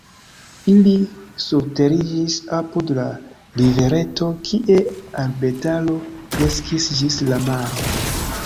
Ili surteriĝis apud la rivereto, kie arbetaro kreskis ĝis la maro.